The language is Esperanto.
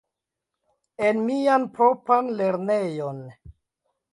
En mian propran lernejon.